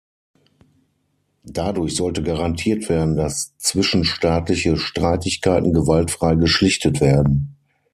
Dadurch sollte garantiert werden, dass zwischenstaatliche Streitigkeiten gewaltfrei geschlichtet werden.